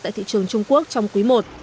tại thị trường trung quốc trong quý i